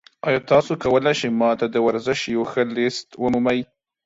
ایا تاسو کولی شئ ما ته د ورزش یو ښه لیست ومومئ؟